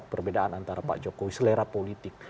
perbedaan antara pak jokowi selera politik